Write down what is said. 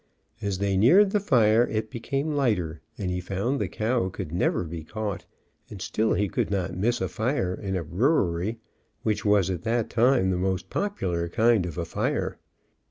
As they neared the fire it became lighter, and he found the cow could never be caught, and still he could not miss a fire in a brewery, which was at that time the most popular kind of a fire.